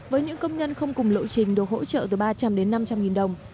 với những công nhân không cùng lộ trình được hỗ trợ từ ba trăm linh đến năm trăm linh nghìn đồng